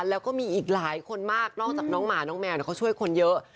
แล้วก็มีอีกหลายคนมากนอกจากน้องหมาน้องแมวเขาช่วยคนเยอะ